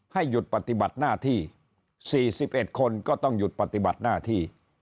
หยุดปฏิบัติหน้าที่๔๑คนก็ต้องหยุดปฏิบัติหน้าที่